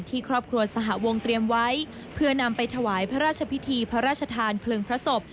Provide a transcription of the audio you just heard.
ครอบครัวสหวงเตรียมไว้เพื่อนำไปถวายพระราชพิธีพระราชทานเพลิงพระศพ